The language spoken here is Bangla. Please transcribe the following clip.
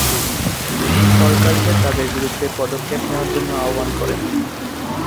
সরকারকে তাদের বিরুদ্ধে পদক্ষেপ নেয়ার জন্য আহ্বান করেন।